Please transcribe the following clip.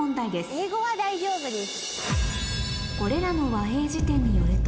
英語は大丈夫です。